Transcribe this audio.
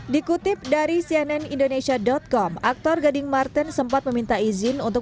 dikutip dari cnn indonesia com aktor gading martin sempat meminta izin untuk